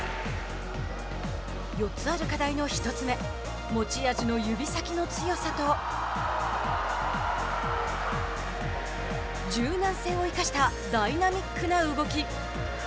４つある課題の１つ目持ち味の指先の強さと柔軟性を生かしたダイナミックな動き。